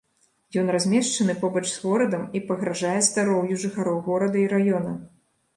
Ён размешчаны побач з горадам і пагражае здароўю жыхароў горада і раёна.